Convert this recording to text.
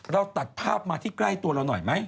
เราตัดภาพมาที่ใกล้ตัวเราหน่อยไหม